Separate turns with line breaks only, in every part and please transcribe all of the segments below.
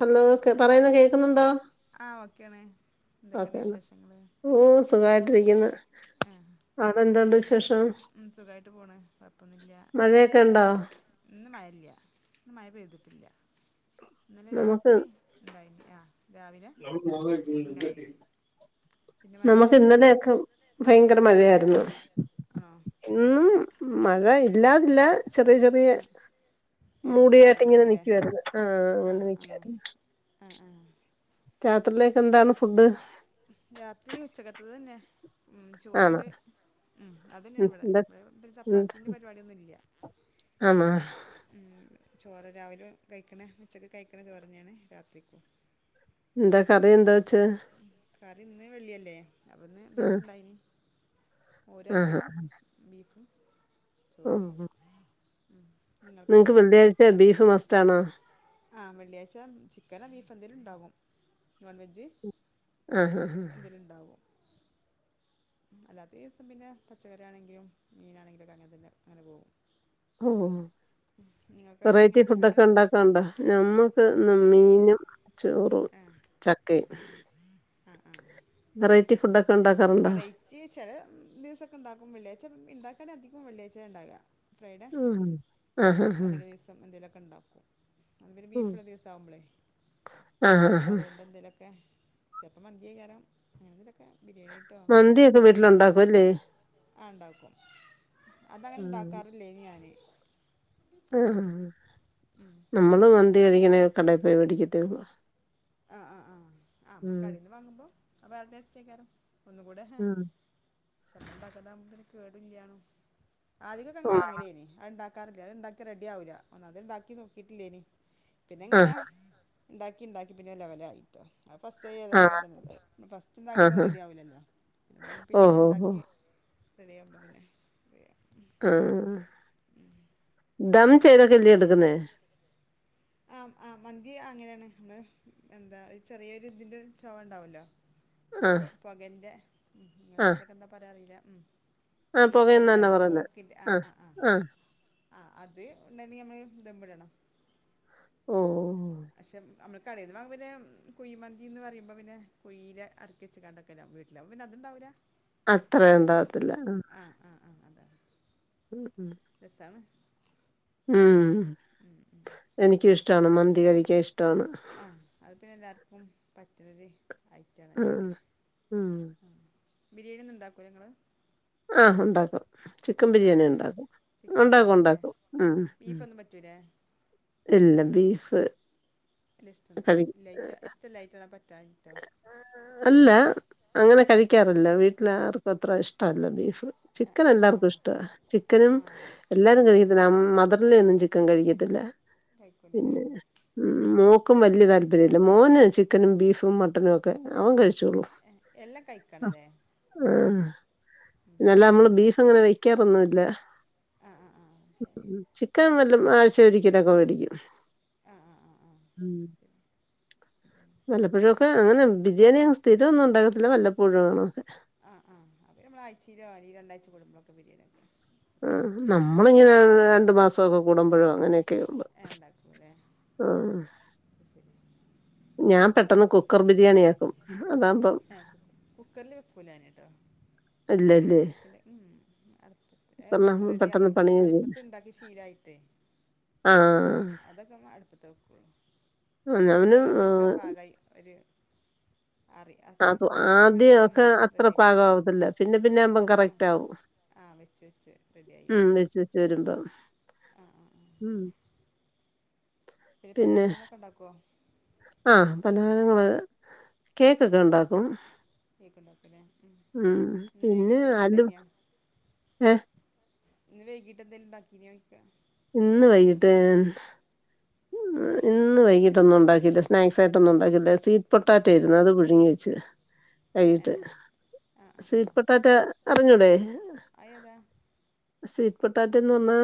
Hello കെ പറയുന്ന കേക്കുന്നുണ്ടോ?
ആ ഓക്കെയാണ്
ഓ
എന്തൊക്കെയുണ്ട്
ക്കേന്നാ.
വിശേഷങ്ങള്
ഓഹ് സുഖായിട്ടിരിക്ക്ന്ന്.
ആ
അവിടെ എന്തുണ്ട് വിശേ
ഉം സുഖായിട്ട് പോണ് കൊഴപ്പൊന്നുല്ലാ.
മഴയൊക്കെ ഉണ്ടോ
ഇന്ന് മയല്ല. ഇന്ന് മഴ പെയ്തിട്ടില്ല. ഇന്നലെ
നമുക്ക്
രാത്രി ഇണ്ടായിനി ആഹ് പിന്നെ മഴ
നമുക്ക്
പെയ്തിട്ടില്ല
ഇന്നല
ഇന്ന്
ഒക്കെ ഭയങ്കര മഴയായിരുന്നു.
ആണോ?
ഇന്ന് മഴ ഇല്ലാതില്ലാ ചെറിയ ചെറിയ
ഏ
മൂടിയായിട്ടി- ങ്ങനെ
ചാറിലാവൂലേ
നിക്കുവായിരുന്ന്. ആഹ് അങ്ങനെ നിക്കുവായിരുന്ന്
ആഹ് ആഹ്
രാത്രിയിലേക്കെന്താണ് ഫുഡ്?
രാത്രി ഉച്ചക്കത്തതെന്നെ. ഉം
ആണോ
ചോറ്ണ്ട് ഉം അതന്നേണ്
ഉം,
ഇവ്ടെ.
എന്താ
ഇവിടെ പിന്നെ ചപ്പാത്തിന്റെ പരിപാടിയൊന്നുല്ല്യ.
ആന്നോ
ഉം ചോറ് രാവിലെ കയിക്ക്ണ ഉച്ചക്ക് കയിക്കണ ചോറ് തന്നെണ് രാത്രിക്കും.
എന്താ കറി എന്താ വെച്ചെ?
കറി ഇന്ന് വെള്ളിയല്ലേ അപ്പന്ന്
ആ
ബീഫ്ണ്ടായ്നി മോര്
ആഹാ
കാച്ചതും ബീഫും ചോറും. ഉം നിങ്ങ
നിങ്ങക്ക് വെള്ളിയാഴ്ച ബീഫ് മസ്റ്റാണോ?
ആഹ് വെള്ളിയാഴ്ച ചിക്കനോ ബീഫ് എന്തേങ്കിലും ഉണ്ടാകും നോൺവെജ്
ആഹ് ആഹ് ആഹ്
അയില്ണ്ടാവും അല്ലാത്ത ദിവസം പിന്നെ പച്ചക്കറി ആണെങ്കിലും മീനാണെങ്കിലുംഒക്കെ അങ്ങനെ തന്നെ അങ്ങനെ പോകും
ഉം
നിങ്ങൾക്ക്
വെറൈറ്റി
അങ്ങനെ
ഫുഡ
അവിടെ
ഒക്കെ ഉണ്ടാക്കാണ്ടോ ഞമ്മുക്ക് ഇന്ന്
വെറൈറ്റി
മീനും ചോറും
ആ
ചക് ക്കെ
ആ ആ ആ ആ
വെറൈറ്റി ഫുഡ് ഒക്കെ ഉണ്ടാക്കാറുണ്ടോ
ച്ചി ചെല ദിവസൊക്കെ ഉണ്ടാക്കും വെള്ളിയാഴ്ച ഉണ്ടാക്കാണെ അധികം വെള്ളിയാഴ്ച ഉണ്ടാവ ഫ്രൈഡേ
ഉം ആഹ് ആഹ് ആഹ്.
അധിക ദിവസ് എന്തെങ്കിലും ഒക്കെ ഇണ്ടാക്കും അന്ന് പിന്നെ
ഉം
ബീഫ് ഇല്ലേ ദിവസം ആകുമ്പളെ
ആഹ് ആഹ് ആഹ്.
അതോണ്ട് ക്കെ ചെലപ്പം മന്തി ഏക്കാരം അങ്ങനെന്തക്കെ ബിരിയാണി ടോക്കെൻ
മന്തിയൊക്കെ
ഇണ്ടാക്കും
വീട്ടിലുണ്ടാക്കും അല്ലേ
ആഹ് ഉണ്ടാക്കും അതങ്ങനെ
ഉം
ഉണ്ടാക്കാറില്ലേനി ഞാന്
ആഹ് നമ്മള് മന്തി കഴിക്കണേങ്കി കടയി പോയി വേടിക്കത്തേള്ളൂ
ആഹ് ആഹ് ആഹ് ആഹ് നമ്മൾ കടയിൽ നിന്ന് വാങ്ങുമ്പോൾ വേറെ ടേസ്റ്റ് ആക്കാരം ഒന്നുകൂടെ ഹ
ഉം
[unintelligible] കേടില്ലാണും ആദ്യ ഒക്കെങ് വാങ്ങലേന്നു അത് ഉണ്ടാക്കാറില്ല അത് ഇണ്ടാക്കി റെഡി ആവില്ല ഒന്നാമത് അത് ഇണ്ടാക്കി നോക്കിയിട്ടില്ലേനി പിന്നെ ഇങ്ങനെ
ആഹ്
ഇണ്ടാക്കി ഇണ്ടാക്കി പിന്നെ ലെവലായി ഫസ്റ്റ് ഏതും
ആഹ്
അങ്ങനെ തന്നെ അല്ലെ ഫസ്റ്റ് ഇണ്ടാക്കുമ്പോ
ആഹ് ആഹ്
റെഡി ആവില്ലല്ലോ പിന്നെമ്മ പിന്ന
ഓഹ്
ഇങ്ങനെ
ഓഹ്
ഇണ്ടാക്കി
ഓഹ്
റെഡിയാവുമ്പോൾ പിന്നെ
ആഹ് ദം ചെയ്തൊക്കെ അല്ലേ എടുക്കുന്നേ
ആഹ് ആഹ് മന്തി അങ്ങനെയാണ് നമ്മൾ എന്താ ചെറേരു ഇതിന്റെചൊവ ഇണ്ടാവല്ലോ
ആഹ്
പോകന്റെ ഉം ഇങ്ങലെ
ആഹ്
നാട്ടിലൊക്കെ എന്താ പറയാ അറിയില്ല ഉം
ആഹ്
അതിന്റെ സ്മെല്ല്
പുകയുംന്ന് തന്നാ
ഇണ്ടാകൂലെ
പറയുന്നേ
സ്മോക്കിന്റെ ആഹ് ആഹ് ആഹ് ആഹ് അത് ഉണ്ടിങ്കില് നമ്മൾ ദമ്മ് ഇടണം
ഓഹ്
പക്ഷെ നമ്മൾ കടയിൽ നിന്ന് വാങ്ങുബോ പിന്നെ കുഴി മന്തി എന്ന് പറയുമ്പൊ പിന്നെ കുഴിയില് അറക്കി വെച്ച് ക്കാണ്ട് വെക്കല വീട്ടിലാവുമ്പോ പിന്നെ അത് ഇണ്ടാവൂല
അത്ര
നല്ല നമ്മക്ക്
ഉണ്ടാവത്തില്ല
ആഹ് ആഹ് ആഹ് അതാ
[inaudible]
രസാണ്
ഉം
ഉം ഉം
എനികും ഇഷ്ടമാണ് മന്തി കഴിക്കാൻ ഇഷ്ട്ടാണ്.
ആഹ് അത് പിന്നെ എല്ലാർക്കും പറ്റണര്. ഐറ്റാണല്ലോറി
ആഹ് ഉം
ബിരിയാണി ഒന്നും ഉണ്ടാക്കുലേങ്ങള്.
ആഹ് ഉണ്ടാക്കും ചിക്കൻ ബിരിയാണി ഇണ്ടാക്കും.
ചിക്കൻ
ഉണ്ടാക്കും
ബിരിയാണി അല്ലേ
ഉണ്ടാക്കും ഉം
ബീഫൊന്നും പറ്റൂലേ
ഇല്ല ബീഫ്.
ലിഷ്ട്ടണ്ട
കഴി
ലൈറ്റ് ഇഷ്ടംലൈറ്റണ പറ്റാഞ്ഞിട്ടോ.
അല്ല അങ്ങനെ കഴിക്കാറില്ല വീട്ടിൽ ആർക്കും അത്ര ഇഷ്ടല്ല ബീഫ് ചിക്കൻ എല്ലാവർക്കും
ആണോ
ഇഷ്ട്ടാ ചിക്കനും
ആണോ
എല്ലാരും
ഏ
കഴിക്കത്തില്ല മതർ ഒന്നും ചിക്കൻ കഴികത്തില്ല
കഴിക്കൂല ഏ
പിന്നെമോക്കും
അത്
വല്യ
ശരി
താല്പര്യ അല്ല മോന് ചിക്കനും ബീഫും മട്ടനും ഒക്കെ അവൻ കഴിചോള്ളൂ.
എല്ലാം കഴിക്കണ അല്ലേ ആഹാ
ആഹ് പിന്നെ അല്ല
പിന്നാവുമ്പൊ
നമ്മള് ബീഫ് അങ്ങനെ വെക്കാറൊന്നുല്ല.
ആഹ് ആഹ് ആഹ് ശരി.
ചിക്കൻ നല്ലും ആഴ്ചേല് ഒരിക്കലൊക്കെ മേടിക്കും.
ആഹ് ആഹ് ആഹ് ആഹ്
ഉം നല്ലപഴു ഒക്കെ ആണ് ബിരിയാണി സ്ഥിര ഒന്നും ഉണ്ടാകത്തില്ല വല്ലപ്പോഴും ആണ് ഒക്കെ.
ആഹ ആ അത് നമ്മള് ആഴ്ചീലോഅല്ലെങ്കി ഈ രണ്ടാഴ്ച കുടുമ്പോളൊക്കെ പിരിയാണിവെക്കു.
ആ നമ്മളിങ്ങനെ രണ്ട് മാസൊക്കെ കൂടുമ്പോഴ്യോ അങ്ങനെയൊക്കെ ഉണ്ട്.
ണ്ടാകുംലെ.
ഹ്മ്.
ശരി. ആ
ഞാൻ പെട്ടന്ന് കുക്കർ ബിരിയാണിആക്കും അതാകുമ്പം.
കുക്ക റില് വെക്കുലാഞാന്ട്ടോ.
അല്ലല്ലേ.
വെക്കാല് അടുപ്പത്തി
കുക്കറിലാകുമ്പം
റെഡിയാ ആയി
പെട്ടെന്ന് പണി കഴിയും
അടുപ്പത് ഉണ്ടാക്കി ശീലായിട്ടേ.
ആ.
അതൊക്കെ അടുപ്പത്ത വെക്കോളൂ
അവന്
കുക്കറിലാകുമ്പോ ഇനിക്ക്അത് പാകായി ഒരു. ആറി [unintelligible]
അത്
ക്കെ അങ്ങട്ട്
ആദ്യം ഒക്കെ അത്ര
റെഡി ആയികിട്ടോയ്‌.
പാകമാവത്തില്ല പിന്നെ പിന്നെ ആകുമ്പം കറക്റ്റ് ആവും
ആ വെച്ച് വെച്ച് റെഡി ആയില്ലേ
ഉം വെച്ച് വെച്ച് വരുമ്പം
ആ ആ ആ.
ഉം
പിന്നെ പലഹാരങ്ങളൊക്കെ ഉണ്ടാകോ.
ആഹ പലഹാരങ്ങള് കേക്കൊക്കെ ഉണ്ടാക്കും.
കേക്ണ്ടാകുംലെ ഉം ഇന്ന് വെ
പിന്നെ
യ്ഗീട്ട്എന്തേലും
അലു
ഇണ്ടായിന്ന.
ഏ
ഇന്ന് വൈകിട്ട് എന്തേലും ഉണ്ടാക്കി ന്നായിക്ക.
ഇന്ന് വൈകിട്ട്. ഇന്ന് വൈകിട്ടൊന്നും ഉണ്ടാക്കില്ല സ്നാക്സ് ആയിട്ടൊന്നും ഉണ്ടാക്കില്ല സ്വീറ്റ്.
ഉണ്ടാക്കിയിട്ടില്ല
പൊട്ടാറ്റയിരുന്നു അത് പുഴുങ്ങി വെച്ച്
ആ ആ
കഴിട്ട്
ആ
സീറ്റ് പൊട്ടാറ്റ. അറിഞ്ഞുടേ.
അഏതാ.
സീറ്റ് പൊട്ടാറ്റന്ന് പറഞ്ഞാ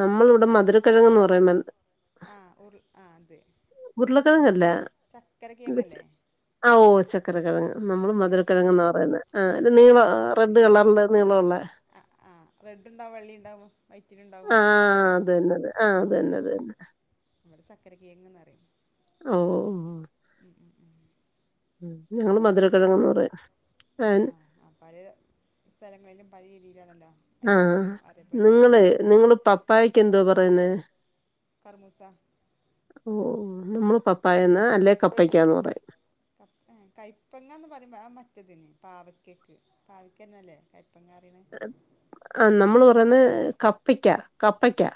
നമ്മളിവിടെ മധുര കിഴങ്ങങ്ന്ന് പറയും.
ആ ഉർ ആ അത്.
ഉരുളക്കിഴങ്ങല്ല.
ചക്കരക്കേങ്ങ അല്ലേ.
ആ ഓ ചക്കര കിഴങ്ങ് നമ്മള്
കിഴങ്ങ്
മധുരക്കിഴങ്ങ്ന്ന പറയുന്നെ ആ നീവാ.
ആ ആ
റെഡ്
അത്
കളറില് നിളള്ളേ.
ആ ആ റെഡ് ഉണ്ടാവും വെള്ളി ഉണ്ടാവും. വയ്റ്റിടലുണ്ടാവും
ആ
അതല്ലേ
അത് തന്നെ അത്
ആ
അത് തന്നെ
ആ
അത്
ആ
തന്നെ
ഇവടെ ചക്കരക്കേങ്ങ്ന്ന് അറിയ.
ഓ ഓ.
ഉ ഉം ഉം.
ഞങ്ങൾ
ആതൊരു രസാണ്
മധുരക്കിഴങ്ങെന്ന് പറയും ആ
ആഹ് ആഹ് ആ പഴ്യെ. സ്ഥലങ്ങളിലും പല രീതിലാണല്ലോ
ആഹ് നിങ്ങള് നിങ്ങള് പപ്പായക്ക് എന്തോ പറയുന്നേ
കർമൂസ
ഓഹ് നമ്മള് പപ്പായന്ന് അല്ലെ കപ്പക്കാന്ന് പറയും
ക കയ്പ്പങ്ങ എന്ന് പറേമ്പോ മറ്റതിന് പാവക്കക്ക് പാവക്കന്നല്ലേ ക പ്പങ്ങറിണ്
ആഹ് നമ്മള് പറ്ന്ന് കപ്പക്കാ കപ്പക്കാ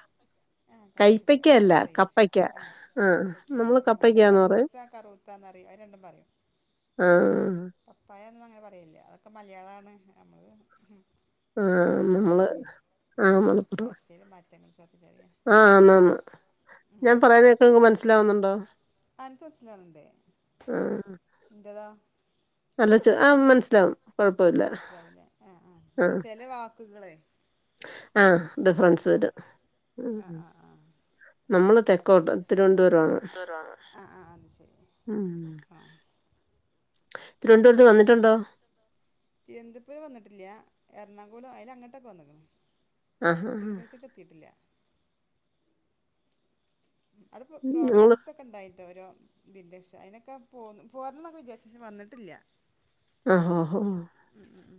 ആ കപ്പക്ക ഇവിടെ പറയില്ലേ ആഹ
ആ
കപ്പക്കല്ലേ
നമ്മള്
എവിടെ
കപ്പയ്ക്കാന്ന് പറയും
കർമൂസ കറുത്ത. ത്താന്നറയും അയ് രണ്ടും പറയും
ആഹ്
പപ്പായനൊന്നും അങ്ങനെ പറയില്ല അതൊക്കെ മലയാളാണ് നമ്മള്
ആ നമ്മള്
മലപ്പുറം
ആ
ഭാഷയില് മാറ്റണ്ട് ചെറുതായി
ആഹ് ആന്ന് ആന്ന് ഞാൻ പറയുന്നേക്ക നിങ്ങക്ക് മനസ്സിലാവുന്നോണ്ടോ
അനക്ക്
ആഹ്
ഇന്റെതാ
നല്ല ച് ആഹ് മൻസ്സിലാവും
മൻസ്സിലാവുലേ ആഹ് ആഹ് അല്ല ചെല വാക്കുകളേ
ആഹ് ഡിഫ്രൻസ് വരും ഉം
ആഹ് ആഹ് ആഹ്
നമ്മള് തെക്കോട്ട് തിരുവന്തരവാണ്
ന്തരവാണ് ആഹ് അഹ് അത് ശെരി ആഹ്
തിരുവന്തപുര്
തിരുവന്തപുരം വന്നിട്ടില്ല എറണാകുളം അയിലങ്ങട്ടാെക്കെ വന്ന്ക്ക്ണ്
ആ ആ ആ
തിരുവന്തരത്തെക്ക് എത്തിട്ടില്ല അത് പേ
നിങ്ങള്
പ്രോഗ്രാംസ് ഒക് ക്കെ ണ്ടായിട്ട്ഓരോ ഇതിന്റെശ അയിനൊക്കെ പോന്ന് പോരന്നൊക്കെ വിചാരിച്ചീന് വന്ന്ട്ടില്ല
ആഹ് ഓഹോ
ഉം ഉം ഉം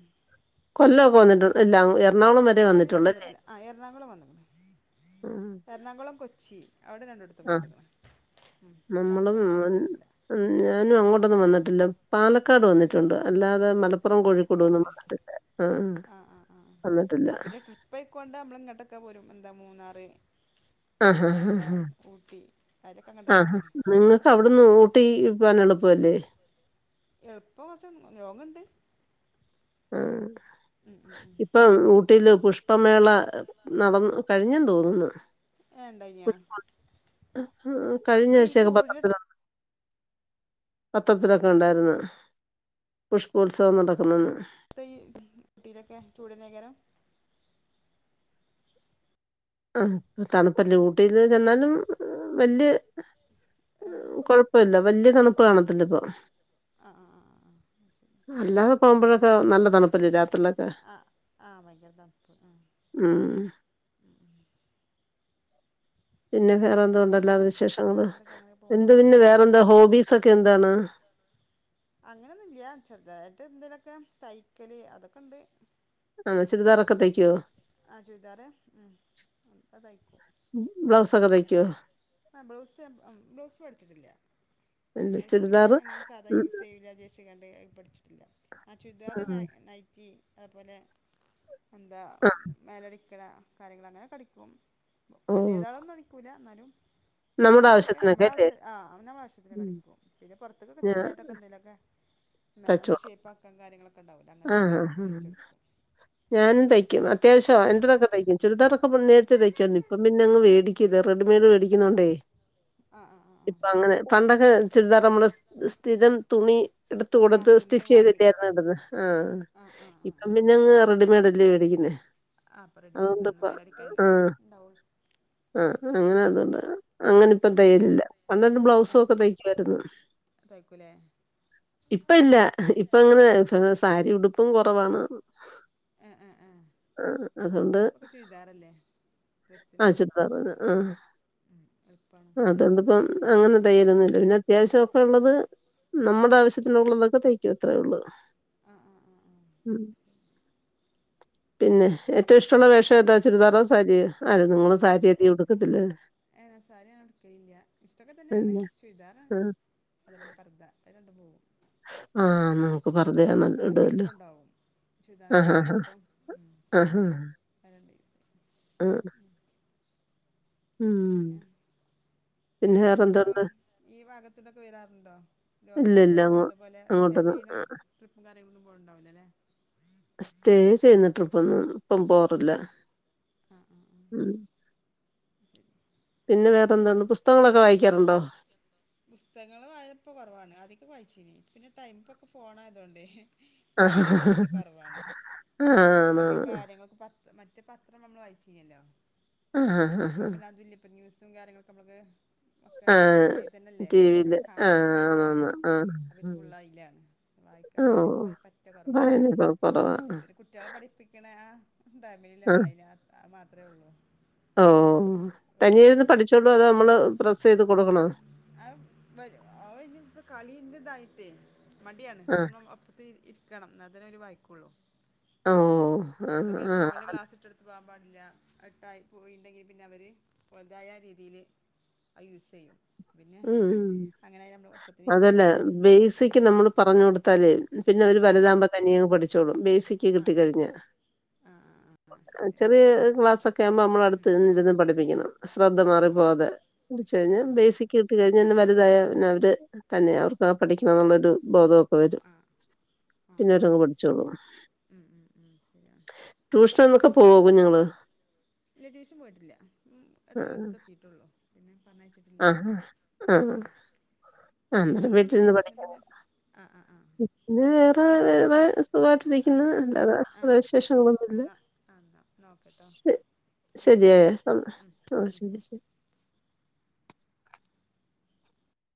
കൊല്ലോക്കെ വന്നിട്ടു ഇല്ല എറണാകുളം വരെ വന്നിട്ടൊള്ളല്ലേ
ആഹ് എറണാകുളം വന്ന്ക്ക്ണ് എറണാകുളം കൊച്ചി അവിടെ രണ്ടാേട് ടുത്തും
ആഹ്
വന്ന്ക്ക്ണ് ഉം പക്ഷേ അങ്ങട്ട്
നമ്മളും
എത്
ഉം,
എത്തീട്ടില്ല
ഉം ഞാനും അങ്ങോട്ടൊന്നും വന്ന്ട്ടില്ല പാലക്കാട് വന്നിട്ടുണ്ട് അല്ലാതെ മലപ് പ്പൊറോം കോഴിക്കോടൊന്നും
പാലക്കാടില്ലേ
വന്നിട്ടില്ല ആഹ് വന്നിട്ടില്ല
ട്രിപ്പായിക്കാേണ്ട് നമ്മളി ഇങ്ങട്ടക്കെ പോരും എന്താ മൂന്നാറ്
ആഹ് ആഹ്
എന്താ
ആഹ്
ഊട്ടി അയ്ലക്കെ അങ്ങട്ട് വന്ന്ക്ക്ണ്
ട്ടി പോവാൻ എളുപ്പവല്ലേ
എളുപ്പം വെച്ച ലോങ്ങ്ണ്ട്
ആഹ്
ഉം ഉം ഉം
ഇപ്പം ഊ ട്ടീല് പുഷ്പമേള നടന്ന് കഴിഞ്ഞെന്ന് തോന്ന്ന്നു
ഏ ഉണ്ടായിഞ്ഞാ
[unintelligible] കഴിഞ്ഞ
ഇവിടെ ഈ
ആഴ്ച്ചെക്കെ
ചൂടിൻ്റെ
പത്രത്തിലൊ പത്രത്തിലൊക്കെ ഒണ്ടാർന്ന് പുഷ്പോത്സവം നടക്കുന്നുന്ന്
ഇപ്പ ഈ ഇതിലൊക്കെ ചൂടല്ലെയ്ക്കാരം
ആഹ് തണുപ്പല്ലേ ഊട്ടില് ചെന്നാലും വല്ല്യേ
ആ
കൊഴപ്പവില്ല വല്ല്യ തണുപ്പ് കാണത്തില്ല ഇപ്പോ
ആ ആ ആ ആ ശരി
അല്ലാതെ പോകുമ്പോഴൊക്കെ നല്ല തണുപ്പല്ലേ രാത്രിലൊക്കെ
ആ ആ ഭയങ്കര തണുപ്പ് ആ
[inaudible] ഉം ഉം പിന്നെ വേറെ എന്തോ ഉണ്ടല്ലാത്
പിന്നെ
വിശേഷങ്ങള്
വേറെന്തൊക്കെ അങ്ങനെ
എന്ത്
പോകണം
പിന്നെ വേറെ എന്താ ഹോബീസ് ഒക്കെ എന്താണ്
അങ്ങനെയൊന്നുംല്ല്യ ചെറ്തായിട്ട് എന്തേലൊക്കെ തയ്ക്കല് അതൊക്കെണ്ട്
ആഹ് ചുരിതാറാെക്കെ തയ്ക്കോ
ആഹ് ചുര്താറ് ഉം ഉംക്കെ തയ്ക്കും
ബ്ലൗസൊക്കെ തയ്ക്കോ
ആഹ് ബ്ലൗസ് ഉം ബ്ലൗസ് പട്ച്ച്ട്ടില്ല
എന്ത്
ബ്ലൗസ് പിന്നെ
ചുരിദാറ്
അങ്ങനെ സാധാ
ഉം
യൂസെയ്യൂല്ലാചെര് ച്ച്കാണ്ട് പഠ്ച്ച്ട്ടില്ല ആ ചുരിദാറ്
ആഹ്
മാക് നൈറ്റി താപോലെ എന്താ
ആഹ്
മേലടിക്ക്ണ കാര്യങ്ങള് അങ്ങനെക്കടിക്കും
ഓഹ്
വല്ല്യാെതാളൊന്നും അടിക്കൂല ന്നാലും
നമ്മുടെ
കൊറെശക്കെ
ആവശ്യത്തിനൊക്കെ
നമ്മളാവ്സ
അല്ലേ
ആഹ്
ഉം
അവനാനവശ്യത്തിനടിക്ക് ഓ പിന്നെ പുറത്ക്ക് ഒക്കെ
ഞാൻ
ചെറുതായിട്ടൊക്കെ എന്തേലും ഒക്കെ ഒന്ന്
തയ്ച്ചോളും
ഷേയ്പ്പാക്കാൻ കാര്യങ്ങളൊക്കെ ഒക്കെണ്ടാവും അങ്ങൻത്തൊക്കെ
ആഹ് ആഹ് ആഹ്
തയ്ച്ചാെട്ക്കും
ഞാനും തയ്ക്കും അത് അത്യാവശ്യവാ എൻ്റെതൊക്കെ തയ്ക്കും ചുരിദാറൊക്കെപ്പ നേര്ത്തെ തയ്ക്കാന്നി ഇപ്പ പിന്നെങ് വേടിക്കെയ്ത് റെഡമെയ്ട് വേടിക്കുന്നോണ്ടേ
ആഹ് ആഹ് ആഹ്
ഇപ്പൊ അങ്ങനെ പണ്ടൊക്കെ ചുരിദാറമ്മള് സ് സ്ഥിരം തുണി ഇട്ത്ത്
ആ
കൊടുത്ത്
തുണി വാങ്ങി
സ്റ്റിച്ചെയ്തിട്ടായിരുന്നു ഇട്ന്ന് ആഹ്
ആ ആ ആ
ഇപ്പം
ആ
പിന്നെങ്ങ് റെഡിമെയ്ഡല്ലേ മേടിക്കുന്നേ
ആഹ് അപ്പം റെഡിമെയ്ഡ് ഒന്ന്
അതുകൊണ്ടിപ്പ
മേലടിക്കാല്ലെ
ആഹ്
ഇണ്ടാവാെള്ളൂ
ആഹ് അങ്ങനെ അതുണ്ട് അങ്ങനെ ഇപ്പ
ആ
തയ്യലില്ല പണ്ടഅന്ന്
ആ
ബ്ലൗസാെഒക്കെ തയ്ക്കുവായിര്ന്ന്
തയ്ക്കൂലേ
ഇപ്പ ഇല്ല ഇപ്പ എങ്ങനെ സാരി ഉടുപ്പും കുറവാണ്
ആ ആ
ആ അതൊണ്ട്
കതാറല്ലേ
ആ ചുരിദാറ പറു ആഹ
എളുപ്പമാണ്
അതുകൊണ്ട ഇപ്പം അങ്ങനെ ത്യരുന്നില്ല പിന്നെ അത്യാവശ്യം ഒക്കെ ഉള്ളത് നമ്മുടെ ആവശ്യത്തിന ഉള്ളതൊക്കെ തയ്ക്ക എ എത്രയേ ഉള്ളൂ
ആ ആ ആ ആ
ഉം പിന്നെ ഏറ്റവും ഇഷ്ടമുള്ള വേഷം ഏതാ ചുരിദാറോ സാരി അല്ല നിങ്ങള് സാരി എതി കൊടുക്കത്തില്ലേ
ഏന സാരി ഞങഎടുക്കല്ല ഇഷ്ടൊക്കെ തന്നെയാണ്
അല്ല
ചുരിദാറാണ്
ആഹ്
അതേപലെ പർദ അ രണ്ടും പോകവും
ആഹ് നമുക്ക് പർദ്ദയാണ്
അ അത
ഇടുവല്ലോ
എളുപ്പുണ്ടാവും
ആഹ്
ചുരിദാനക്കാള
ആഹ്
എളപ്പം ഉ
ആഹ് ആഹ്
പണ്ട് ദസ
ആഹ്
ഉ
ഉം
പിന്നെ പിന്നെ പുൊറത്തങ്ങള് ഈ ഭാഗത്തടെക്കെ വരാറുണ്ടോ ലോങ്ങ്
ഇല്ലല്ല അങ്ങോ
അതുപോലെ സ്റ്റേ
അങ്ങോട്ടൊന്നും
ചെയ്യുന്ന ട്രിപ്പും കാര്യങ്ങളൊന്നും പോല ഉണ്ടാവില്ല അല്ലേ
സ്റ്റേ ചെയ്യുന്ന ട്രിപ്പൊന്നും ഇപ്പം പോറില്ല
ആ ആ ആ ശരി
പിന്നെ വേറെ എന്തതുണ്ട് പുസ്തകങ്ങളൊക്കെ വായിക്കാറുണ്ടോ
പുസ്തകങ്ങൾ വായിനപ്പോ കുറവാണ് അദ്യൊക്കെ വായിച്ചിന് പിന്നെ ടൈമപ്പൊക്കെ പോണയതൊണ്ട്
ആഹ്
വായനൊക്കെ പറ്റ കുറവാണ്
ആ,
പിന്നെ
ആണാണ്
കാര്ങ്ങൊക്ക പ മറ്റേ പത്രം നമ്മൾ വായിച്ച കല്ലോ
ആഹ് ആഹ് ആഹ്
ഇപ്പം പിന്നെ അതുല്ല ഇപ്പ ന്യൂസ്‌ കാര്യങ്ങളൊക്കെ നമ്മള്ക്ക് ഒക്കെ
ആഹ്
കൈ തന്നെല്ലേ
ടി വിയില്
കാണാനും
ആഹ്
കേൾക്കാനും
ആണാണ്
അവര്
ആഹ്
ഫുള്ളായിലാണ് വായിക്കാ വായനൊക്കെ
ഓഹ്
പറ്റിയ കുറവാണ്
വായനയൊക്കെ കൊറവാ
പി കുട്ടികളെ പഠി വയനക്കണ ആ തമിലിലെ വായന മാത്രമേ ഉള്ളൂ
ഓ തനിയ ഇരുന്ന്
വേറൊന്നുമില്ല ഇപ്പോൾ
പഠിച്ചോളൂ അത് നമ്മള് പ്രസ് ചെയ്ത് കൊടുക്കണോ
ആ ഇനി ഇപ്പ കളിയന്തതായിട്ടേ മടിയാണ്
ആഹ്
ശക്ഷ ന അപ്പറത്ത് ഇരിക്കണം അതന്നെ ഒരു വായിക്കുള്ളൂ
ഓ
അതുപോെലെ ഫോണ ലാസ് ഇട്ട് ത്ത് പോകാൻ പാടില്ല ഇട്ടായി പോയിണ്ടെങ്കിൽ പിന്നെ അവര് വലുതായ രീതിയിയില് അയോയൂസ് ചെയ്യും
ഉം
അങ്ങനെ നമ്മൾ ഒപ്പത്തിന്
അതല്ല
ഇരിക്കണം ഉം.
ബേസിക്ക് നമ്മള് പറഞ്ഞു കൊടുത്താല്േ പിന്നെ ഒരു
ആ
വലതമ്പ പഠിച്ചോളും ബേസിക്
ആ
കിട്ട കഴിഞ്ഞ
ആ ആ ആ, ആ ശരിയാണ്
ചെറിയ ക്ലാസ്സൊക്കെ ക്കെ ആവുമ്പോ നമ്മള അടുത്ത് ഇരുന്ന് പഠിപ്പിക്കണം ശ്രദ്ധ
ആ ആ
മാറിപ്പോകതെ എ വ
ആ ആ
കഴിഞ്ഞാൽ ബേസിക്
ഉം, ഉം.
കിട്ടിക്കഴിഞ്ഞെ വലുതായ പിന്നെ അവര് തന്നെ അവർക്ക് പഠിക്കണന്നുള്ളൊരു ബോധവൊക്കെ വരും
ആ
പിന്നെ
ആ
അവരങ്ങ്
ആ
പഠിച്ചോളും.
ശരിയാ മ്മ് മ്മ് മ്മ് ശരിയാ
ട്യൂഷൻന്നൊക്കെ പോകും ഞങ്ങള്
ഇല്ല ട്യൂഷൻ പോയിട്ടില്ല എട്ടാം ക്ലാസ്സിക്ക് എത്തിയിടട്ടെള്ളോ പിന്നെ പറഞ്ഞച്ചി
ആഹ ആഹ ആ അന്നേരം
പിന്നെന്താന്നാല് പിന്നെ ആ ആ ആ
ഇന്ന് വേറെ വേറെ
ആഹ്
സുഖമായിട്ടിരിക്കുന്നു അല്ലാതെ വിശേഷങ്ങളൊന്നുംല്ല
ആ എന്നാ ഒക്കെട്ടോ
ശരിയായ ആ ശരി ശരി